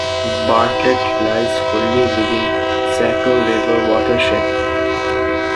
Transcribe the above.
Bartlett lies fully within the Saco River watershed.